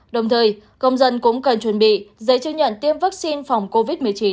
đồng thời công dân cũng cần chuẩn bị giấy chứng nhận tiêm vaccine phòng covid một mươi chín